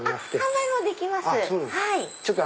販売もできます。